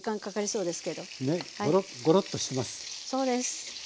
そうです。